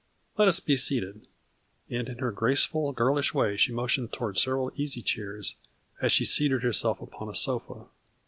Let us be seated." And in her graceful girlish way she motioned toward several easy chairs, as she seated herself upon a sofa.